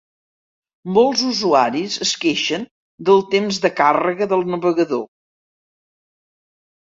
Molts usuaris es queixen del temps de càrrega del navegador.